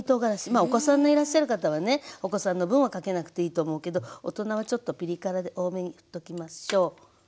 まあお子さんのいらっしゃる方はねお子さんの分はかけなくていいと思うけど大人はちょっとピリ辛で多めにふっときましょう。